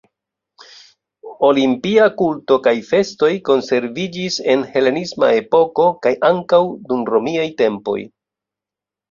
Olimpia kulto kaj festoj konserviĝis en helenisma epoko kaj ankaŭ dum romiaj tempoj.